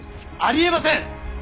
ありえません！